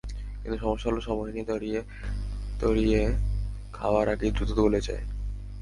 কিন্তু সমস্যা হলো, সময় নিয়ে তারিয়ে তারিয়ে খাওয়ার আগেই দ্রুত গলে যায়।